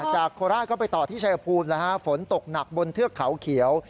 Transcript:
โคราชก็ไปต่อที่ชายภูมิฝนตกหนักบนเทือกเขาเขียว